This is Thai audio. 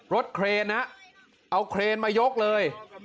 เครนนะเอาเครนมายกเลย